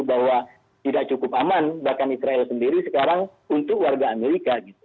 bahwa tidak cukup aman bahkan israel sendiri sekarang untuk warga amerika gitu